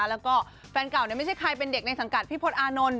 แล้วก็แฟนเก่าไม่ใช่ใครเป็นเด็กในสังกัดพี่พลตอานนท์